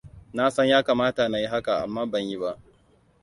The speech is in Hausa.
Nasan ya kamata na yi haka, amma ban yi ba.